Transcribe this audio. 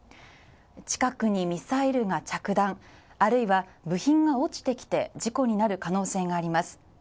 近くにミサイルが着弾、あるいは部品が落ちてきて事故になる可能性があります。